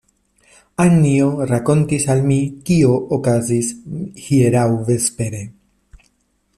Anjo rakontis al mi, kio okazis hieraŭ vespere.